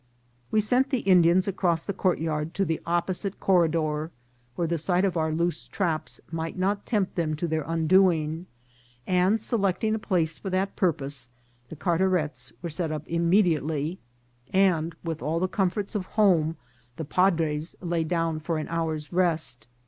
We sent the Indians across the courtyard to the op DOING THE HONOURS. 335 posite corridor, where the sight of our loose traps might not tempt them to their undoing, and selecting a place for that purpose, the cartarets were set up immediately, and, with all the comforts of home, the padres lay down for an hour's rest.